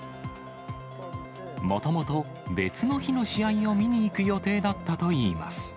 もともと別の日の試合を見に行く予定だったといいます。